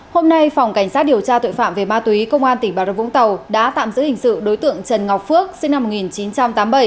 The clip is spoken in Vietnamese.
hôm nay phòng cảnh sát điều tra tội phạm về ma túy công an tỉnh bà rập vũng tàu đã tạm giữ hình sự đối tượng trần ngọc phước sinh năm một nghìn chín trăm tám mươi bảy